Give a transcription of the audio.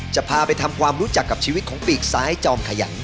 จะพาไปทำความรู้จักกับชีวิตของปีกซ้ายจอมขยัน